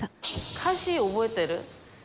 歌詞覚えてる？